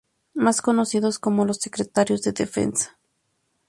Más conocidos como "Los Secretarios de Defensa".